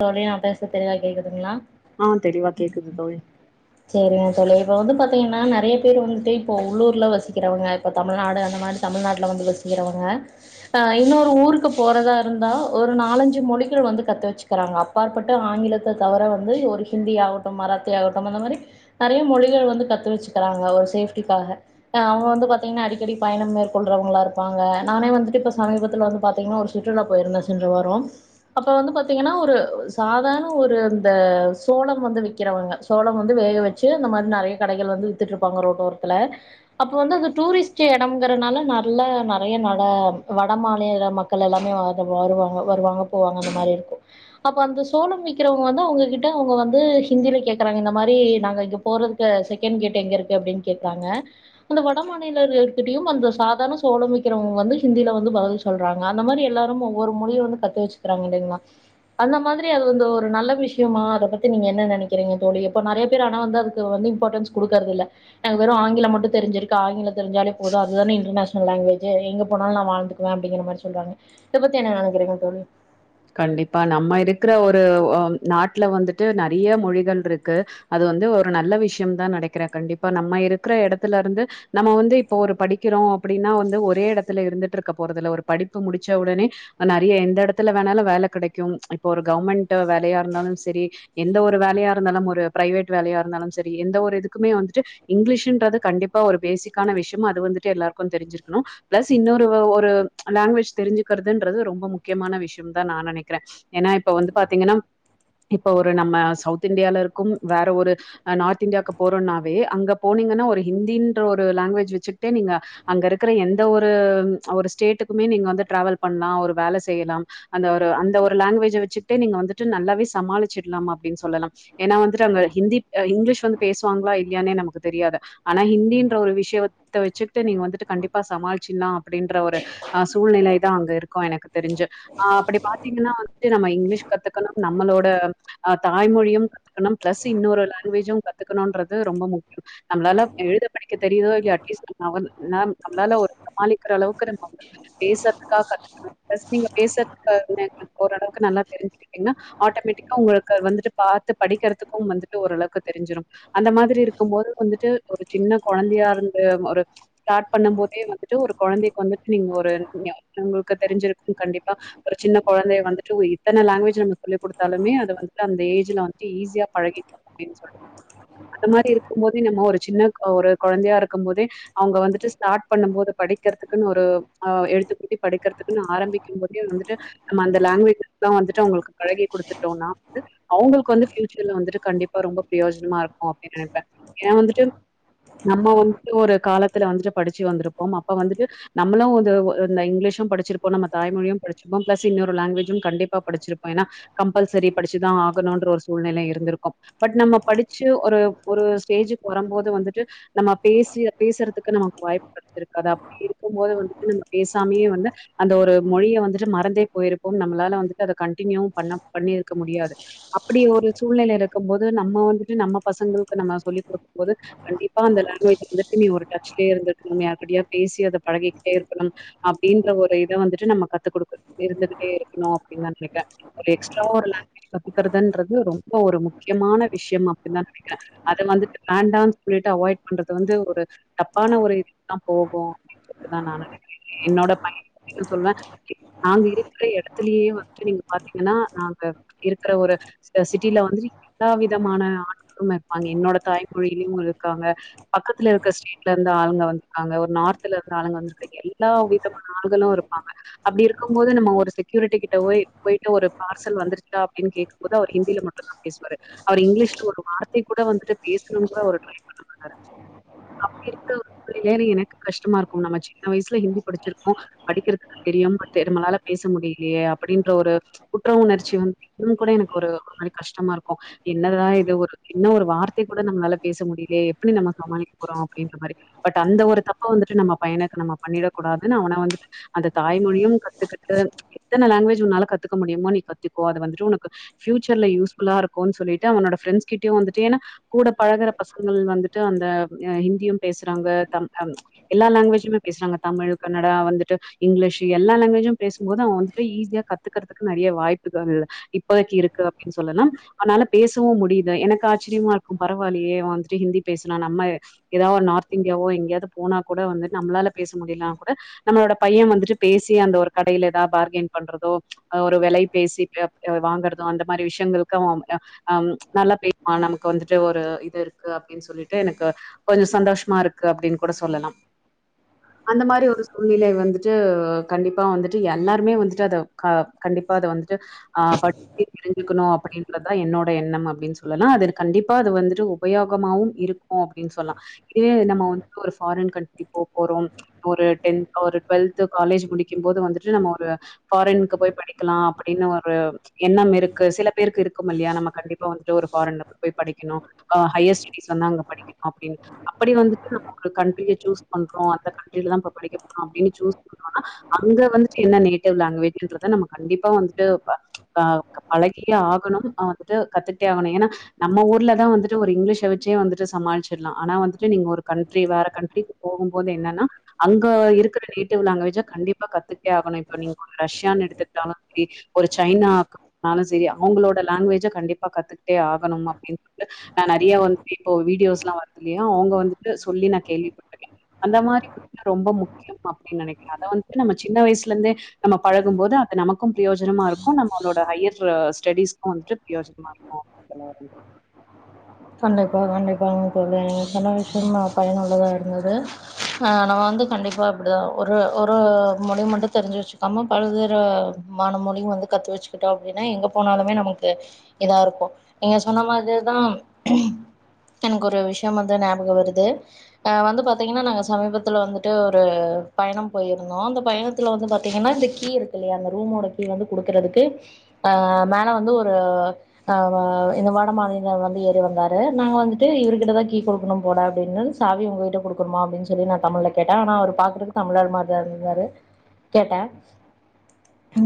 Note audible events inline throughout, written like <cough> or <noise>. தோழி நா பேச தெரிவா கேக்குதுங்களா ஆ தெளிவா கேக்குது தோழி சேரி தோழி இப்ப வந்து பாத்தீங்கன்னா நெறைய பேர் வந்துட்டு இப்போ உள்ளூர்ல வசிக்கிறவங்க இப்ப தமிழ்நாடு அந்த மாரி தமிழ்நாட்டுல வந்து வசிக்கிறவங்க இன்னொரு ஊருக்கு போறதா இருந்தா ஒரு நாலஞ்சு மொழிகள் வந்து கத்து வச்சு க்றாங்க அப்பாற்பட்டு ஆங்கிலத்த தவிர வந்து ஒரு ஹிந்தி ஆகட்டு மராத்தி ஆகட்டு அந்த மாரி நெறைய மொழிகள் வந்து கத்து வச்சுக்கிறாங்க ஒரு சேஃப்டிக்காக அவுங்க வந்து பாத்தீங்கன்னா அடிக்கடி பயண மேற்கொள்றவங்களா இருப்பாங்க நானே வந்துட்டு இப்ப சமீபத்துல வந்து பாத்தீங்கன்னா ஒரு சுற்றுலா போயிருந்தே சென்று வார அப்ப வந்து பாத் பாத்தீங்கன்னா ஒரு சாதாரண ஒரு இந்த சோள வந்து விக்கிறவங்க சோளம் வந்து வேக வச்சு அந்த மாரி நெறைய கடைகள் வந்து விட்டு இருப்பாங்க ரோட் இப்ப ஒருத்துல அப்ப வந்து அந்த டூரிஸ்ட் எடம்ங்கறனால நல்ல நெறைய நட வட மாநில மக்கள் எல்லாமே வருவாங்க வருவாங்க போவாங்க அந்த மாரி இருக்கு அப்ப அந்த சோளம் விக்கிறவங்க வந்து அவுங்ககிட்ட அவுங்க வந்து ஹிந்தில கேக்குறாங்க இந்த மாரி நாங்க இங்க போறதுக்கு செகண்ட் கேட் எங்க இருக்கு அப்டின்னு கேக்குறாங்க அந்த வட மாநில இருக்கிட்டயு அந்த சாதாரண சோள விக்கிறவங்க வந்து ஹிந்தியில வந்து பதில் சொல்றாங்க அந்த மாரி எல்லாரு ஒவ்வொரு மொழியும் வந்து கத்து வச்சுக்கிறாங்க இல்லிங்கா அந்த மாதிரி அது வந்து ஒரு நல்ல விஷ்யமா அத பத்தி நீங்க என்ன நெனைக்கிறீங்க தோழி இப்போ நெறைய பேர் ஆனா வந்து அதுக்கு வந்து இம்பார்ட்டன்ஸ் குடுக்குறது இல்ல நாங்க வெறு ஆங்கில மட்டு தெரிஞ்சிருக்கு ஆங்கில தெரிஞ்சாலே போது அதுதானே இன்டர்நேஷனல் லாங்குவேஜ் எங்க போனாலு நா வாழ்ந்துக்குவே அப்டிங்கிற மாரி சொல்றாங்க இத பத்தி என்ன நெனைக்கிறிங்க தோழி கண்டிப்பா நம்ம இருக்குற ஒரு நாட்டுல வந்துட்டு நெறைய மொழிகள் இருக்கு அது வந்து ஒரு நல்ல விஷ்யதா நெனைக்கிறே கண்டிப்பா நம்ம இருக்கிற எடத்துல இருந்து நம்ம வந்து இப்போ ஒரு படிக்கிறோ அப்டின்னா வந்து ஒரே எடத்துல இருந்துட்டு இருக்க போறதுல ஒரு படிப்பு முடிச்ச உடனே நெறைய எந்த எடத்துல வேணாலு வேல கெடைக்கு இப்போ ஒரு கவ்மெண்ட் ட்டு வெலையா இருந்தாலு செரி எந்த ஒரு வேலையா இருந்தாலு ஒரு பிரைவேட் வேலையா இருந்தாலு செரி எந்த ஒரு இதுக்குமே வந்துட்டு இங்கிலீஷ்ன்றது கண்டிப்பா ஒரு பேசிக்கான விஷயமு அது வந்துட்டு எல்லாருக்கு தெரிஞ்சிருக்கணு பிளஸ் இன்னொரு ஒரு லாங்குவேஜ் தெரிஞ்சுக்கிறதுன்றது ரொம்ப முக்கியமான விஷய இருந்தா நா நெனைக்கிறே ஏன்னா இப்ப வந்து பாத்தீங்கன்னா இப்ப ஒரு நம்ம சவுத் இண்டியால இருக்கு வேற ஒரு நார்த் இண்டியாக்கு போறோம்னாவே அங்க போனீங்கன்னா ஒரு ஹிந்தின்ற ஒரு லாங்குவேஜ் வச்சுட்டே நீங்க அங்க இருக்குற எந்த ஒரு ஒரு ஸ்டேட்டுக்குமே நீங்க வந்து டிராவல் பண்ணலா ஒரு வேல செய்யலா அந்த ஒரு அந்த ஒரு லாங்குவேஜ வச்சுக்கிட்டே நீங்க வந்துட்டு நல்லாவே சமாளிச்சிடலாமா அப்படின்னு சொல்லலா ஏன்னா வந்துட்டு அங்க ஹிந்தி இங்கிலீஷ் வந்து பேசுவாங்களா இல்லையானே நமக்கு தெரியாது ஆனா ஹிந்தின்ற ஒரு விஷயத்த வச்சுக்கிட்டு நீங்க வந்துட்டு கண்டிப்பா சமாளிச்சிடலா அப்படின்ற ஒரு அ சூழ்நில தா அங்க இருக்கு எனக்கு தெரிஞ்சு ஆ அப்படி பாத்தீங்கன்னா வந்துட்டு நம்ம இங்கிலீஷ் கத்துக்கணு நம்மளோட அ தாய்மொழியு கத்துக்கணு பிளஸ் இன்னொரு லாங்குவேஜு கத்துக்கணும்ன்றது ரொம்ப முக்கிய நம்மளால எழுத படிக்க தெரியுதோ இல்ல அட்லீஸ்ட் நம்மால ஒரு சமாளிக்கிற அளவுக்கு நம்ம பேசறதுக்காக கத்துக்கணு ப்ளஸ் நீங்க பேசறதுக்குக் ஓரளவுக்கு நல்லா தெரிஞ்சக்கீங்கன்னா ஆட்டோமேட்டிக்கா உங்களுக்கு வந்துட்டு பாத்து படிக்கிறதுக்கு வந்துட்டு ஓரளவுக்கு தெரிஞ்சிரு அந்த மாதிரி இருக்கும் போது வந்துட்டு ஒரு சின்ன குழந்தையா இருந்து ஒரு ஸ்டார்ட் பண்ணும் போதே வந்துட்டு ஒரு குழந்தைக்கு வந்துட்டு நீங்க ஒரு உங்களுக்கு தெரிஞ்சிருக்கு கண்டிப்பா ஒரு சின்ன குழந்தைய வந்துட்டு இத்தன லாங்குவேஜ நம்ம சொல்லிக் குடுத்தாலுமே அதது வந்துட்டு அந்த ஏஜ்ல வந்துட்டு ஈஸியா பழகிக்கு அப்படின்னு சொ அந்த மாரி இருக்கும் போதே நம்ம ஒரு சின்ன ஒரு குழந்தையா இருக்கும் போதே அவங்க வந்துட்டு ஸ்டார்ட் பண்ணும் போது படிக்கிறதுக்குன்னு ஒரு ஆ எழுத்துக்கூட்டி படிக்கிறதுக்குன்னு ஆரம்பிப் <unintelligible> வந்துட்டு நம்ம அந்த லாங்வேஜ்தா வந்துட்டு அவங்களுக்கு பழகி குடுத்துட்டோம்னா வந்து அவங்களுக்கு வந்து ஃபியூச்சர்ல வந்துட்டு கண்டிப்பா ரொம்ப பிரயோஜனமா இருக்கு அப்படின்னு நனைப்பே ஏன்னா வந்துட்டு நம்ம வந்துட்டு ஒரு காலத்துல வந்துட்டு படிச்சு வந்திருப்போ அப்ப வந்துட்டு நம்மளு வ இங்கிலீஷு படிச்சிருப்போ நம்ம தாய்மொழியு படிச்சிருப்போ பிளஸ் இன்னொரு லாங்குவேஜு கண்டிப்பா படிச்சிருப்போ ஏன்னா கம்பல்சரி படிச்சுதா ஆகணும்ன்ற ஒரு சூழ்நிலை இருந்திருக்கு பட் நம்ம படிச்சு ஒரு ஒரு ஸ்டேஜுக்கு வரும் போது வந்துட்டு நம்ம பேசி பேசுறதுக்கு நமக்கு வாய்ப்பு கடச்சிருக்காதா அப்படி இருக்கும் போது வந்துட்டு நம்ம பேசாமே வந்து அந்த ஒரு மொழிய வந்துட்டு மறந்தே போயிருப்போ நம்மளால வந்துட்டு அத கண்டினியுவு பண்ண பண்ணி இருக்க முடியாது அப்படி ஒரு சூழ்நிலை இருக்கும் போது நம்ம வந்துட்டு நம்ம பசங்களுக்கு நம்ம சொல்லிக் கொடுக்கும் போது கண்டிப்பா அந்த லாங்வேஜ் வந்துட்டு நீ ஒரு டச்சல இருந்துருக்கணுமே அப்படியா பேசி அத பழகிக்கிட்டே இருக்கணு அப்படின்ற ஒரு இத வந்துட் ட்டு நம்ம கத்துகுடுக் இருந்துககட்டே இருக்கணு அப்டின்னுா கேட்டே எக்ஸ்ட்ராவா ஒரு லாங்வேஜ் கத்துக்கறதுன்றது ரொம்ப ஒரு முக்கியமான விஷயம் அப்படின்னு தா நனைக்கே அத வந்து வேன்டானு சொல்லிட்டு அவாய்ட் பண்றது வந்து ஒரு தப்பான ஒரு இதுதா போகு அப்பதா நா நனக்கே என்னோட பய <unintelligible> நாங்க இருக்கிற எடத்தலயே வந்துட்டு நீங்க பாத்தீங்கன்னா நாங்க இருக்கிற ஒரு சிட்டில வந்துட்டு எல்லா விதமான ஆட்களு இருப்பாங்க என்னோட தாய்மொழியிலு இருக்காங்க பக்கத்துல இருக்கிற ஸ்டேட்ல இருந்து ஆளுங்க வந்திருக்காங்க ஒரு நார்தல இருந்து ஆளுங்க விருக்காங்க எல்லா விதமான ஆள்களு இரு பாங்க அப்படி இருக்கும் போது நம்ம ஒரு செக்யூரிட்டி கிட்ட போய் போயிட்டு ஒரு பார்சல் வந்துருச்சா அப்படின்னு கேக்கும் போது அவர் ஹிந்தில மட்டுந்தா பேசுவாரு அவர் இங்கிலீஷ்ல ஒரு வார்த்தை கூட வந்துட்டு பேசணும்னு கூட பண்ண <unintelligible> அப்படி இரு ஒரு எனக்கு கஷ்டமா இருக்கு நம்ம சின்ன வயசுல ஹிந்தி படிச்சிருக்கோ படிக்கிறதுக்கு தெரியு பட் நம்மளால பேச முடியலையே அப்படின்ற ஒரு குற்ற உணர்ச்சி வந்து இன்னு கூட எனக்கு ஒரு மாரி கஷ்டமா இருக்கு என்னதா இது ஒரு என்ன ஒரு வார்த்தை கூட நம்மளால பேச முடியலையே எப்படி நம்ம சமாளிக்க போறோ அப்படின்ற மாரி பட் அந்த ஒரு தப்ப வந்துட்டு நம்ம பையனுக்கு நம்ம பண்ணிடக் கூடாதுன்னு அவன வந்துட்டு அந்த தாய்மொழியு கத்துக்கிட்டு எத்தன லாங்குவேஜ் உன்னால கத்துக்க முடியுமோ நீ கத்துக்கோ அது வந்துட்டு உனக்கு ஃபியூச்சர்ல யூஸ்ஃபுல்லா இருக்குன் சொல்லிட்டு அவனோட ஃப்ரெண்ஸ் கிட்டயு வந்துட்டு ஏன்னா கூட பழகுற பசங்கள் வந்துட்டு அந்த ஆ ஹிந்தியு பேசுறாங்க த ஆ எல்லா லாங்குவேஜுமே பேசுறாங்க தமிழ் கன்னடா வந்துட்டு இங்கிலீஷு எல்லா லாங்குவேஜும் பேசும்போது அவ வந்துட்டு ஈஸியா கத் த்துக்கறதுக்கு நறையா வாய்ப்புகள் இப்போதைக்கு இருக்கு அப்படின்னு சொல்லலா அதனால பேசவு முடியுது எனக்கு ஆச்சரியமா இருக்கு பரவாயில்லயே இவ வந்துட்டு ஹிந்தி பேசலா நம்ம ஏதாவது நார்த் இந்தியாவோ எங்கேயாவது போனா கூட வந்து நம்மளால பேச முடியலானா கூட நம்மளோட பையன் வந்துட்டு பேசி அந்த ஒரு கடையில ஏதாவது பார்கைன் பண்றதோ ஒரு விலை பேசி வாங்கறதோ அந்த மாரி விஷயங்களுக்கு நல்லா பேச நமக்கு வந்துட்டு ஒரு இது இருக்கு அப்படின்னு சொல்லிட்டு எனக்கு கொஞ்ச சந்தோஷமா இருக்கு அப்படின்னு கூட சொல்லலா அந்த மாரி ஒரு சூழ்நிலை வந்து ஞ்சு கண்டிப்பா வந்துட்டு எல்லாருமே வந்துட்டு அத க கண்டிப்பா அத வந்துட்டு ஆ பட்டக தெரிஞ்சுக்கணு அப்படின்றதுதா என்னோட எண்ணம் அப்டினு சொல்லலா அத கண்டிப்பாது வந்துட்டு உபயோகமாவு இருக்கு அப்டினு சொல்ல இதே நம்ம வந்து ஒரு ஃபாரின் கன்ட்ரி போறோ ஒரு டென்த் ஒரு ட்வெல்த் து காலேஜ் முடிக்குபோது வந்துட்டு நம்ம ஒரு ஃபாரினுக் போய் படிக்கலா அப்படின்னு ஒரு எண்ணம் இருக்கு சில பேருக்கு இருக்கு இல்லையா நம்ம கண்டிப்பா வன்ட்டு ஒருஃபாரின் நம்ம போய் படிக்கணு ஆ ஹையர் ஸ்டடீஸ் வந்து அங்க படிக்கணு அப்டின்னு அப்படி வந்துட்டு நம்ம ஒரு கண்ட்ரிய சூஸ் பண்றோ அந்த கண்ட்ரிலதா இப படிக்க போறோ அப்டின்னு சூஸ் அங்க வந்துட்டு என்ன நேட்டிவ் லாங்குவேஜ்ன்றத நம்ம கண்டிப்பா வந்துட்டு ஆ பழகிய ஆகணு ஆ வந்துட்டு கத்துட்டே ஆகணு ஏன்னா நம்ம ஊர்லதா வந்துட்டு ஒரு இங்கிலீஷ வச்சே வந்துட்டு சமாளிச்சிர்லா ஆனா வந்துட்டு நீங்க ஒரு கண்ட்ரி வேற கண்ட்ரிக்கு போகும் போது என்னன்னா அங்க இருக்கிற நே டிவ் லேங்வேஜ கண்டிப்பா கத்துக்டே ஆகணும்ங்க ரஷ்ய எடுத்துக்டாலு சரி ஒரு சைனா சரி அவங்களோட லாங்வேஜ கண்டிப்பா கத்துக் க்டேஆகணு அப்படின்னு சொல்ட்டு நா நறைய வந்துட்டு இப்போ வீடியோஸ்லா வரது இலையா அவங்க வந்துட்டு சொல்லி நா கேள்விப்பட்டிருக்கே அந்த மாரி <unintelligible> ரொம்ப முக்கியம் அப்டின்னு நனைக்கிறே அத வந்துட்டு நம்ம சின்ன வயசுல இருந்தே நம்ம பழகும் போது அது நமக்கும் பிரயோஜனமா இருக்கு நம்மளோட ஹையர் ஸ்டடிஸ்க்கு வந்துட்டு பிரயோஜனமா இருக்குனு சொல்ல வரே தோழி கண்டிப்பா கண்டிப் <inaudible> <unintelligible> பயனுள்ளதா இருந்தது ஆ நா வந்து கண்டிப்பா இப்படிதா ஒரு ஒரு மொழி மட்டு தெரிஞ்சு வச்சுக்காம பல்வேறு மான மொழி வந்து கத்து வச்சுக்கிட்டோ அப்படின்னா எங்க போனாலுமே நமக்கு இதா இருக்கு நீங்க சொன்ன மாதிர்தா எனக்கு ஒரு விஷயம் வந்து ஞாபக வருது அ வந்து பாத்தீங்கனா நா சமீபத்துல வந்துட்டு ஒரு பயணம் போயிருந்தோ அந்த பயணத்துல வந்து பா்த்தீங்கன்னா இந்த கீ இருக்கு இல்லையா அந்த ரூமோட கீ வந்து குடுக்கறதுக்கு ஆ மேல வந்து ஒரு ஆ ஆ இந்த வட மாநல வந்து வந்தாரு நாங்க வந்துட்டு இவர் கிட்ட தா கீ குடுக்கனு போல அப்டின்னு சாவி உங்ககிட்ட குடுக்கனுமா அப்டின் சொல்லி நா தமிழ்ல கேட்டே ஆனா அவர் பாக்ரக்கு தமிழால் மாத்ரி தா இருந்தாரு கேட்டே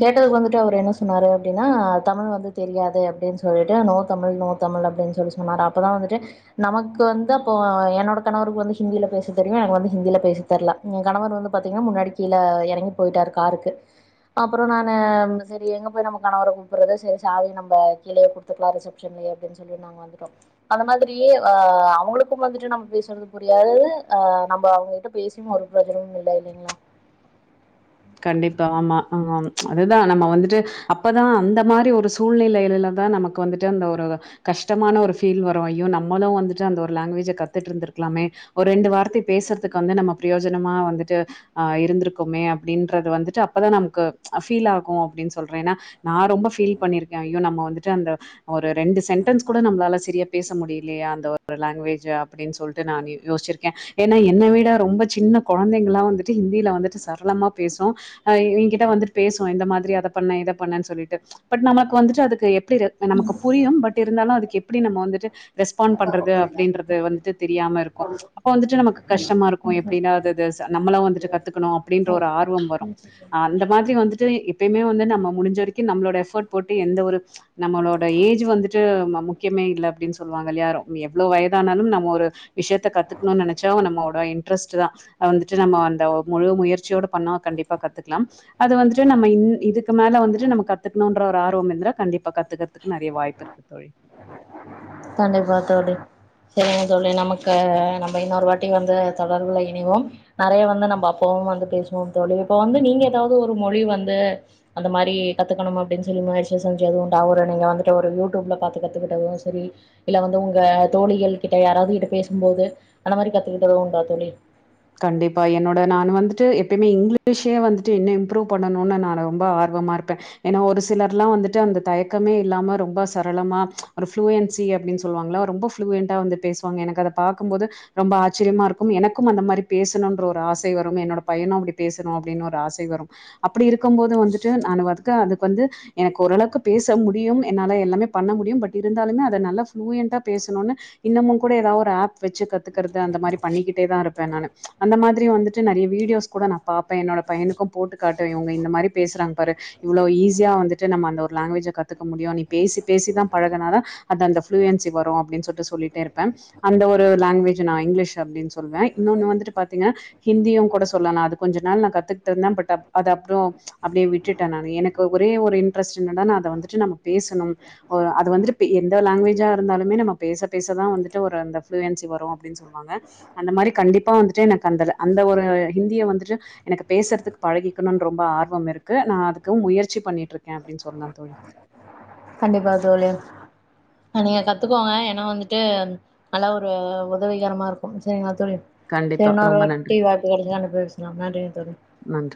கேட்டதுக்கு வந்துட்டு அவர் என்ன சொன்னாரு அப்படினா தமிழ் வந்து தெரியாது அப்படின் சொல்லிட்டு நோ தமிழ் நோ தமிழ் அப்படின்னு சொல்லிச்சி அமாரா அப்போதா வந்துட்டு நமக்கு வந்து அப்போ என்னோட கணவருக்கு வந்து ஹிந்தியில பேசித் தெரியு எனக்கு வந்து ஹிந்தியில பேச தெர்ல எ கணவர் வந்து பாத்தீங்கன்னா முன்னாடி கீழ எறங்கி போயிட்டாரு காருக்கு அப்புறோ நானு சரி எங்க போய் நம்ம கணவர கூப்பிட்றது சரி சாவிய நம்ம கீழயே கொடுத்துர்லா ரிசெப்ஷன்லயே அப்படின் சொல்லிட்னாங்க வந்து அந்த மாதிரி அ அவங்களுக்கு வந்துட்டு நம்ம பேசுறது புரியாது அ நம்ம அவங்ககிட்ட பேசி ஒரு பிரோஜ்னமு இல்ல இல்லைங்ளா கண்டிப்பா ஆமா ஆஹ அதுதா நம்ம வந்துட்டு அப்பதா அந்த மாரி ஒரு சூழ்நிலையிலதா நமக்கு வந்துட்டு அந்த ஒரு கஷ்டமான ஒரு ஃபீல் வரு ஐயோ நம்மளு வந்துட்டு அந்த ஒரு லாங்குவேஜ கத்துட்ருந்திருக்கலாமே ஒரு ரெண்டு வார்த்தை பேசுறதுக்கு வந்து நம்ம பிரயோஜனமா வந்துட்டு ஆ இருந்திருக்குமே அப்படின்றது வந்துட்டு அப்பதா நமக்கு ஃபீல் ஆகு அப்படின்னு சொல்றே ஏன்னா நா ரொம்ப ஃபீல் பண்ணியிருக்கே ஐயோ நம்ம வந்துட்டு அந்த ஆ ஒரு ரெண்டு சென்டன்ஸ் கூட நம்ளால சரியா பேச முடியலையா அந்த ஒரு லாங்வேஜ அப்படின் சொல்லிட்டு நா யோசிச்சிருக்கே ஏன்னா என்ன விட ரொம்ப சின்ன குழந்தைங்களா வந்துட்டு ஹிந்தியில வந்துட்டு சரளமா பேசு அ எ கிட்ட வந்து பேசு இந்த மாதிரி அத பண்ணு இத பண்ணு சொல்லிட்டு பட் நமக்கு வந்துட்டு அதுக்கு எ இப்பிடிரு நமக்கு புரியு பட் இருந்தாலு அதுக்கு எப் ப்பிடி நம்ம வந்துட்டு ரெஸ்பாண்ட் பண்றது அப்பிடின்றது வந்து தெரியாம இருக்கு அப்ப வந்துட்டு நமக்கு கஷ்டமா இருக்கு எப்பிடின்னா அது அதுஸ் நம்மளு வந்துட்டு கத்துக்கணு அப்பிடின்ற ஒரு ஆர் ரொம்பரோ ம் அந்த மாதிரி வந்துட்டு எப்பியமே வந்து நம்ம முடிஞ்ச வரைக்கு நம்மளோட எஃபட் போட்டு எந்த ஒரு நம்மளோட ஏஜ் வந்துட்டு முக்கியமே இல்ல அப்பிடின் சொ சொல்லுவாங்கல்யாரோ நீ எவ்ளோ வயதானாலு நம்ம ஒரு விஷியத்த கத்துக்ணுன் நெனச்சா நம்மோட இன்டரஸ்ட்தா வந்துட்டு நம்ம அந்த முழு முயற்சியோட பண்ணா கண்டிப்பா கத்துக்லாம் அது வந்துட்டு நம்ம இன் இதுக்கு மேல வந்துட்டு நம்ம கத்துக்கணுடற ஆர்வம் இருந்தா கண்டிப் இப்ப கத்துகற்த்துக்கு நெறைய வாய்ப்பு இருக்குத் தோழி கண்டிப்பா தோழி சேரிங்க தோழி நமக்கு நம்ம இன்னொரு வாட்டி வந்து தொடர்புல இணைவோம் நெறைய வந்து நம்ப அப்பவு வந்து பேசுவோ தோழி இப்ப வந்து நீங்க ஏதாவது ஒரு மொழி வந்து அந்த மாரி கத்துக்கணும் அப்பிடின் சொல்லி முயற்சி செஞ்சி அது உண்டா ஒரு நீங்க வந்துட்டு ஒரு யூடியூப்ல பாத்து கத்துக்கிட்டலும் சரி இல்ல வந்து உங்க தோழிகள் கிட்ட யாராவது கிட்ட பேசும்போது அந்த மாரி கத்துக்கிட்டது உண்டா தோழி கண்டிப்பா என்னோட நானு வந்துட்டு எப்பிமே இங்கிலீஷே வந்துட்டு இன்னே இம்ப்ரூவ் பண்ணனு நானு ரொம்ப ஆர்வமா இருப்பே ஏன்னா ஒரு சிலர்லா வந்துட்டு அந்த தயக்கமே இல்லாம ரொம்ப சரளமா ஒரு ஃப்ளூயன்சி அப்பிடின் சொல்லுவாங்களா ரொம்ப ஃபுளூயண்டா வந்து பேசுவாங்க எனக்கு அத பாக்கும் போது ரொம்ப ஆச்சரியமா இருக்கும் எனக்கும் அந்த மாரி பேசணுன்ற ஒரு ஆசை வரு என்னோட பையனு அப்பிடி பேசனு அப்பிடின்னு ஒரு ஆசை வரும் அப்பிடி இருக்கு போது வந்துட்டு நானு வதுக்க அதுக்கு வந்து எனக்கு ஓரளவுக்கு பேச முடியும் என்னால எல்லாமே பண்ண முடியும் பட் இருந்தாலுமே அத நல்லா ஃப்ளூயண்டட்டா பேசணுனு இன்னமும் கூட ஏதாவது ஒரு அஃப் வச்சி கத்துக்கறது அந்த மாரி பண்ணிக்கிட்டேதா இருப்பே நானு அந்த மாதிரி வந்துட்டு நெறைய வீடியோஸ் கூட நா பாப்பே என்னோட பையனுக்கும் போட்டுக் காட்டுவே இவுங்க இந்த மாரி பேசுறாங் பாரு இவ்ளோ ஈஸியா வந்துட்டு நம்ம அந்த ஒரு லங்குவேஜ கத்துக்க முடியு நீ பேசி பேசிதா பழகுனாதா அது அந்த ஃப்ளூயன்சி வரு அப்பிடின் சொல்லிட்டு சொல்லிட்டே இருப்பே அந்த ஒரு லங்குவேஜ் நா இங்கிலிஷ் அப்பிடின் சொல்வே இன்னொன்னு வந்துட்டு பாத்திங்க ஹிந்தியு கூட சொல்லலா அது கொஞ்ச நாள் நா கத்துக்கிட்டதுதா பட் அப் அத அப்ரோ அப்பிடியே விட்டுடேன்னானு எனக்கு ஒரே ஒரு இன்ட்ரெஸ்ட் என்னெனா நா அத வந்துட்டு நாம பேசனு ஓ அது வந்துட்டு பே எந்த லங்குவேஜா இருந்தாலுமே நம்ம பேச பேசதா வந்துட்டு ஒரு அந்த ஃப்புளுயன்ஸி வரு அப்பிடின் சொல்வாங்க அந்தமாரி கண்டிப்பா வந்து டே எனக்கு அந்தல அந்த ஒரு ஹிந்திய வந்துட்டு எனக்கு பேசறதுக்கு பழகிக்கணு ரொம்ப ஆர்வம் இருக்கு நா அதுக்கு முயற்சி பண்ணிட்ருக்கே அப்பிடின் சொல்லலா தோழி கண்டிப்பா தோழி அ நீங்க கத்துக்கோங்க ஏன்னா வந்துட்டு நல்லா ஒரு உதவிகரமா இருக்கு சேரிங்களா தோழி சேரி கண்டிப்பா. ரொம்ப நன்றி. இன்னொருவாட்டி வாய்ப்பு கெடைச்சானா நம பேசலா நன்றிங்க தோழி நன்றி.